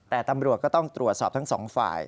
แต่ตำรวจก็ต้องตรวจสอบทั้งสองฝ่าย